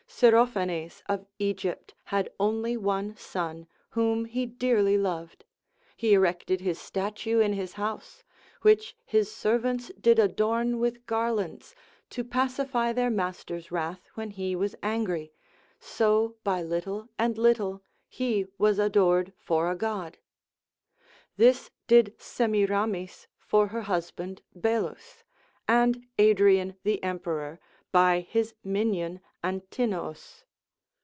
Syrophanes of Egypt had one only son, whom he dearly loved; he erected his statue in his house, which his servants did adorn with garlands, to pacify their master's wrath when he was angry, so by little and little he was adored for a god. This did Semiramis for her husband Belus, and Adrian the emperor by his minion Antinous.